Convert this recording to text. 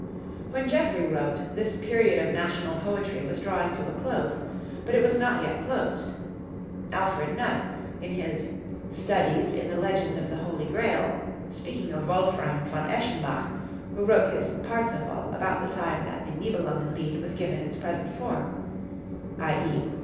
When Geoffrey wrote, this period of national poetry was drawing to a close; but it was not yet closed. Alfred Nutt, in his 'Studies in the Legend of the Holy Grail,' speaking of Wolfram von Eschenbach, who wrote his 'Parzival' about the time that the 'Nibelungenlied' was given its present form (_i.e.